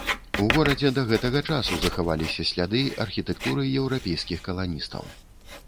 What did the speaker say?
У горадзе да гэтага часу захаваліся сляды архітэктуры еўрапейскіх каланістаў.